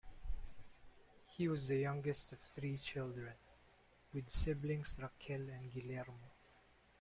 He was the youngest of three children, with siblings Raquel and Guillermo.